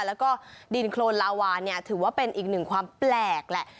แล้วก็ดินโครนลาวาเนี่ยถือว่าเป็นอีกหนึ่งความแปลกแหละ